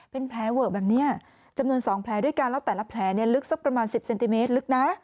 เป็นแพ้เวิร์กแบบนี้จำนวน๒แพ้ด้วยกันแล้วแต่ละแพ้ลึกประมาณ๑๐เซนติเมตร